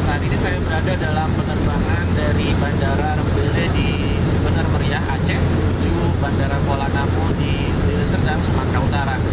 saat ini saya berada dalam penerbangan dari bandara rembele di benar muria aceh menuju bandara kuala namo di deliserdang semangka utara